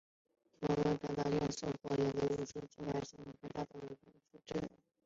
威龙产品籍高质素和创新设计赢得无数国际性奖项和绝大多数人的支援。